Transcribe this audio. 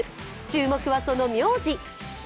注目は、その名字。